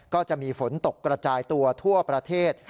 ก็จะมีฝนตกกระจายตัวทั่วประเทศ